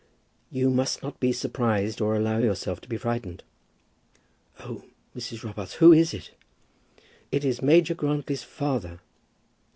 "You must not be surprised, or allow yourself to be frightened." "Oh, Mrs. Robarts, who is it?" "It is Major Grantly's father."